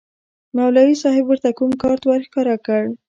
مولوي صاحب ورته کوم کارت ورښکاره کړ.